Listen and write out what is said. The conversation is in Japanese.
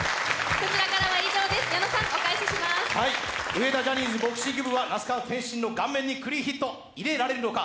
上田ジャニーズボクシング部は那須川天心の顔面にクリーンヒットを入れられるのか。